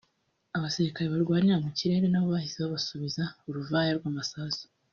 abasirikare barwanira mu kirere nabo bahise babasubiza uruvaya rw’amasasu